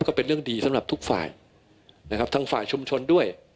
ก็เป็นเรื่องดีสำหรับทุกฝ่ายนะครับทั้งฝ่ายชุมชนด้วย